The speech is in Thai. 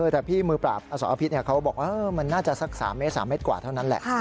แต่พี่มือปราบอสรพิษเขาบอกว่ามันน่าจะสัก๓เมตร๓เมตรกว่าเท่านั้นแหละ